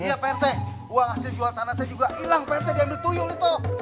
iya pak rt uang hasil jual tanah saya juga hilang pak rt diambil tuyul itu